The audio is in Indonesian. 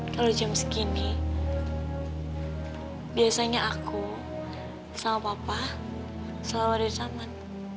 kalau jam segini biasanya aku sama papa selalu ada di sana